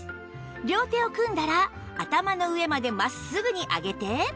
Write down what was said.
両手を組んだら頭の上まで真っすぐに上げて